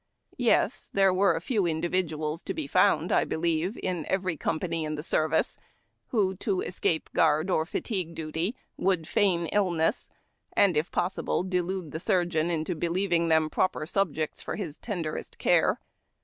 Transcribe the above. Yes, there were a few individuals to be found, I believe, in every conq)any in the service, who to escape guard or fatigue duty, would feign illness, and, it possible, delude the surgeon into believing them proper subjects for his tenderest care.